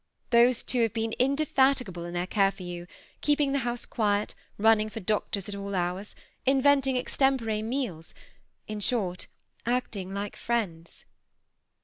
Those two have been indefatigable in their care of you, keeping the house quiet, running for doctors at all hours, inventing extem pore meals ; in short, acting like friends."